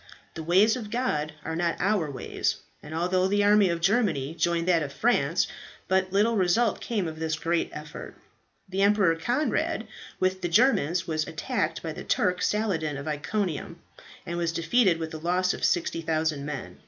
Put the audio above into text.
The ways of God are not our ways, and although the army of Germany joined that of France, but little results came of this great effort. The Emperor Conrad, with the Germans, was attacked by the Turk Saladin of Iconium, and was defeated with a loss of 60,000 men.